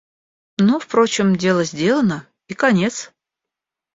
Ну, впрочем, дело сделано, и конец.